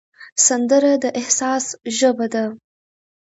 سندره د احساس ژبه ده